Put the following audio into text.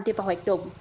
thêm vào hoạt động